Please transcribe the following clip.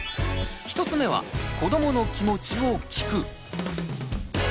１つ目は「子どもの気持ちを聞く」。